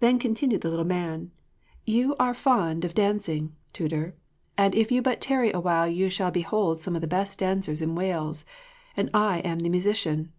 Then continued the little man, "You are fond of dancing, Tudur; and if you but tarry awhile you shall behold some of the best dancers in Wales, and I am the musician."